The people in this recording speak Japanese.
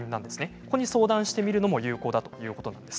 ここに相談してみるのも有効だということです。